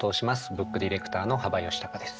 ブックディレクターの幅允孝です。